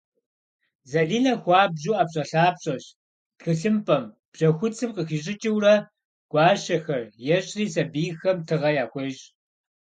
Зэлинэ хуабжьу ӏэпщӏэлъапщӏэщ - тхылъымпӏэм, бжьэхуцым къыхищӏыкӏыурэ гуащэхэр ещӏри сэбийхэм тыгъэ яхуещӏ.